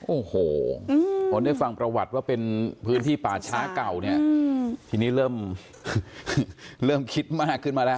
โอ้โหพอได้ฟังประวัติว่าเป็นพื้นที่ป่าช้าเก่าเนี่ยทีนี้เริ่มคิดมากขึ้นมาแล้ว